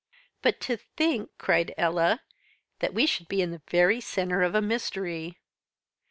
"But to think," cried Ella, "that we should be in the very centre of a mystery."